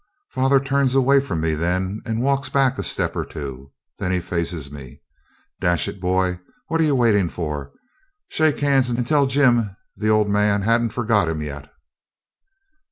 Father turns away from me then, and walks back a step or two. Then he faces me. 'Dash it, boy, what are ye waitin' for? Shake hands, and tell Jim the old man han't forgot him yet.'